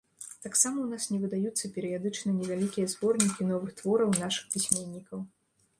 Таксама ў нас не выдаюцца перыядычна невялікія зборнікі новых твораў нашых пісьменнікаў.